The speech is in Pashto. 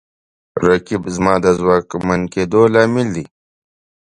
رقیب زما د ځواکمنېدو لامل دی